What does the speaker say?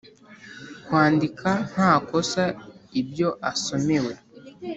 Kwandika nta kosa ibyo asomewe